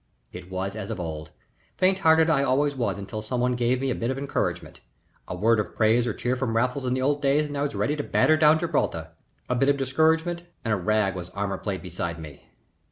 It was as of old. Faint hearted I always was until some one gave me a bit of encouragement. A word of praise or cheer from Raffles in the old days and I was ready to batter down Gibraltar, a bit of discouragement and a rag was armor plate beside me.